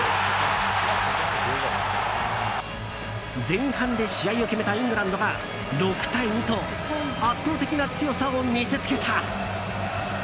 前半で試合を決めたイングランドが６対２と圧倒的な強さを見せつけた。